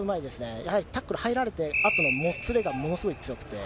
やはりタックル入られて、あとのもつれがものすごい強くて。